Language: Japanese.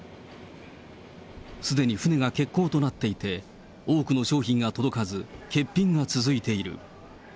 すでに船が欠航となっていて、多くの商品が届かず、欠品が続いている。